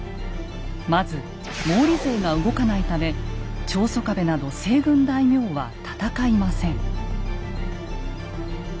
まず毛利勢が動かないため長宗我部など西軍大名は戦いません。